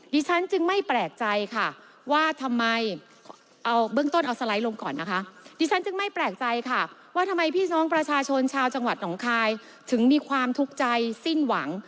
ดิฉันไม่แปลกใจค่ะว่าทำไมประชาชนชาวจังหวัดหนองคายถึงมีความทุกข์ใจซิ้นหวัง